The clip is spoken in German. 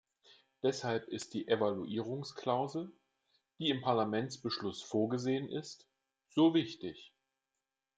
Deshalb ist die Evaluierungsklausel, die im Parlamentsbeschluss vorgesehen ist, so wichtig.